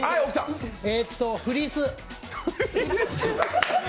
フリース？